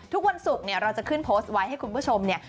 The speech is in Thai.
ทุกวันศุกร์เนี่ยเราจะขึ้นโพสต์ไว้ให้คุณผู้ชมเนี่ย